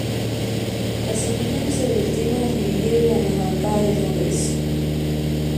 Las opiniones sobre el tema dividieron a las bancadas del Congreso.